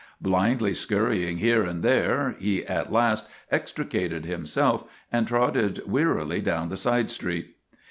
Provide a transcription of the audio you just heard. Blindly scurrying here and there he at last extricated him self and trotted wearily down the side street.